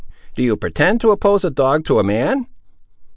"Do you pretend to oppose a dog to a man!